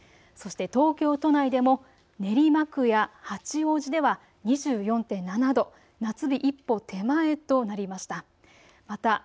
そして東京都内でも練馬区や八王子では２４．７度、夏日一歩手前となりました。